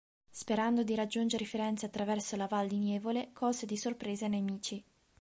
Sperando di raggiungere Firenze attraverso la Val di Nievole, colse di sorpresa i nemici.